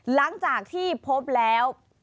หลังจากที่พบแล้ว